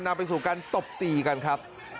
นำไปสู่การตบตีกันครับ